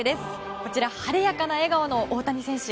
こちら、晴れやかな笑顔の大谷選手。